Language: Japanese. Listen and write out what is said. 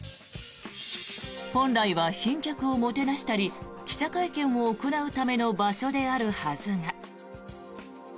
本来は賓客をもてなしたり記者会見を行うための場所であるはずが。